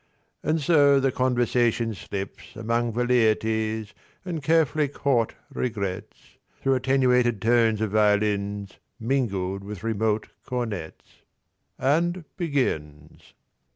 And so the conversation slips Among velleities and carefully caught regrets Through attenuated tones of violins Mingled with remote cornets And begins.